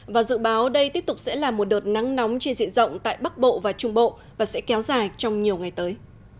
và dự báo đây tiếp tục sẽ là một đợt nắng nóng trên diện rộng tại bắc bộ và trung bộ và sẽ kéo dài trong nhiều ngày tới